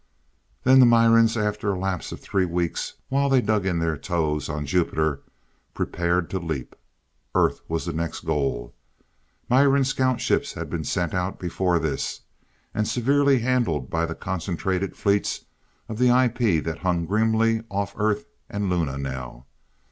Then the Mirans, after a lapse of three weeks while they dug in their toes on Jupiter, prepared to leap. Earth was the next goal. Miran scout ships had been sent out before this and severely handled by the concentrated fleets of the IP that hung grimly off Earth and Luna now.